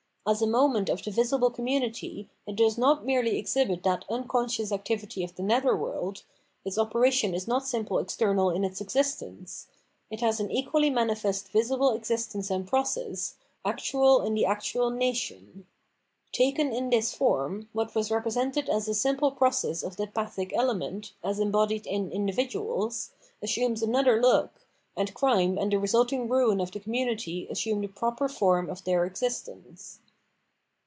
As a moment of the visible community it does not merely exhibit that unconscious activity of the nether world, its operation is not simply external in its existence ; it has an equally manifest visible existence and process, actual in the actual nation. Taken in this form, what was represented as a simple process of the " pathic " element as embodied in in dividuals, assumes another look, and crime and the resulting ruin of the community assume the proper form of their existence.